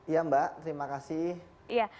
ya mbak terima kasih